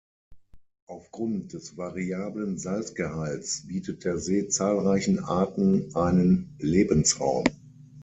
Aufgrund des variablen Salzgehalts bietet der See zahlreichen Arten einen Lebensraum.